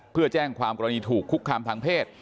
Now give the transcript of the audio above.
เพื่อแจ้งความกรณีถูกคุกคามทางเพศ